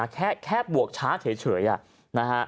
แค่บวกช้าเฉยนะฮะ